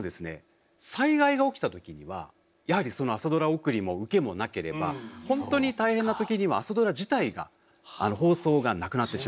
災害が起きたときにはやはりその朝ドラ送りも受けもなければ本当に大変なときには朝ドラ自体が放送がなくなってしまう。